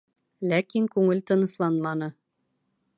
Ләкин күңел тынысланманы.